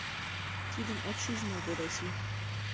Тидым от шиж мо, Ведаси?